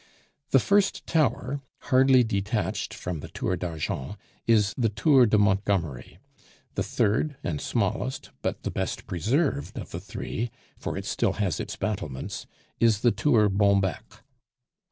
The first tower, hardly detached from the Tour d'Argent, is the Tour de Montgomery; the third, and smallest, but the best preserved of the three, for it still has its battlements, is the Tour Bonbec.